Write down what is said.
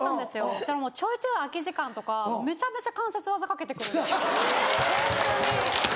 そしたらちょいちょい空き時間とかめちゃめちゃ関節技かけてくるんですホントに。